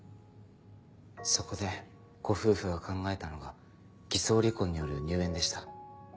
そこでご夫婦が考えたのが偽装離婚による入園でした。